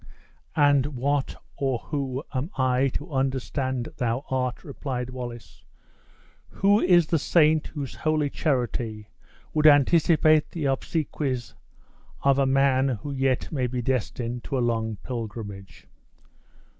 "And what or who am I to understand art thou?" replied Wallace. "Who is the saint whose holy charity would anticipate the obsequies of a man who yet may be destined to a long pilgrimage?"